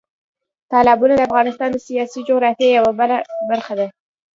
تالابونه د افغانستان د سیاسي جغرافیه یوه برخه ده.